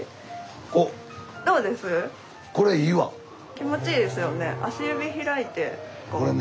気持ちいいですよね。